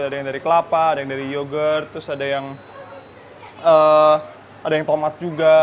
ada yang dari kelapa ada yang dari yogurt terus ada yang tomat juga